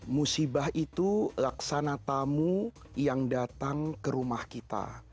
musibah itu laksana tamu yang datang ke rumah kita